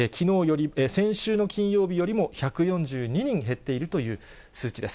先週の金曜日よりも１４２人減っているという数値です。